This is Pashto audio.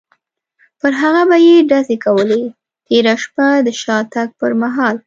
پر هغه به یې ډزې کولې، تېره شپه د شاتګ پر مهال.